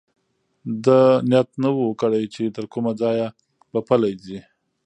ده نیت نه و کړی چې تر کومه ځایه به پلی ځي.